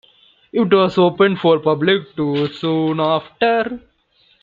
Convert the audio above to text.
It was opened for public tours soon after.